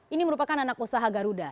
ini merupakan anak usaha garuda